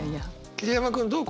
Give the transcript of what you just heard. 桐山君どう？